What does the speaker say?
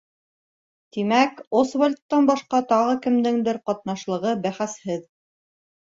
Тимәк, Освальдтан башҡа тағы кемдеңдер ҡатнашҡанлығы бәхәсһеҙ.